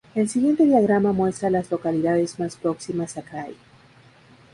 El siguiente diagrama muestra a las localidades más próximas a Craig.